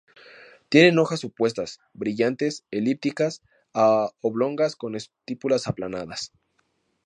Tienen hojas opuestas, brillantes, elípticas a oblongas, con estípulas aplanadas.